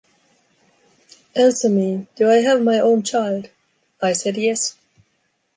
Answer me: Do I have my own child?" I said yes.